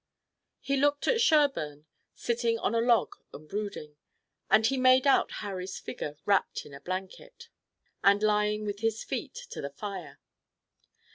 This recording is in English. He looked at Sherburne, sitting on a log and brooding, and he made out Harry's figure wrapped in a blanket and lying with his feet to the fire.